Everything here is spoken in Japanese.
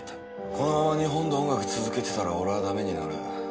このまま日本で音楽続けてたら俺はダメになる。